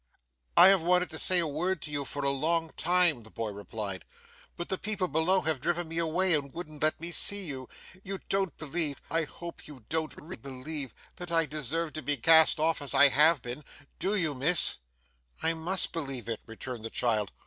'I have wanted to say a word to you, for a long time,' the boy replied, 'but the people below have driven me away and wouldn't let me see you. You don't believe I hope you don't really believe that I deserve to be cast off as I have been; do you, miss?' 'I must believe it,' returned the child.